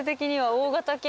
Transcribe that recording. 大型犬